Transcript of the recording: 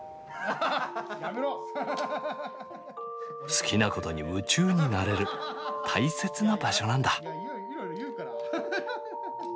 好きなことに夢中になれる大切な場所なんだ。